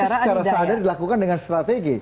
dan itu secara sadar dilakukan dengan strategi